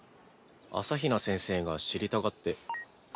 朝日奈先生が知りたがって。